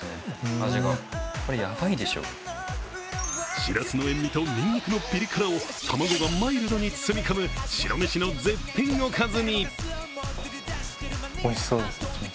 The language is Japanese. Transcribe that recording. しらすの塩みとにんにくのピリ辛を卵がマイルドに包み込む、白飯の絶品おかずに。